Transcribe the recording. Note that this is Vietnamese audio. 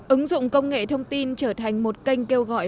ứng dụng công nghệ thông tin trở thành một kênh kêu gọi